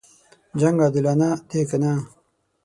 جنګ عادلانه دی کنه.